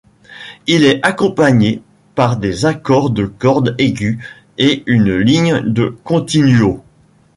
Il est accompagné par des accords de cordes aigus et une ligne de continuo.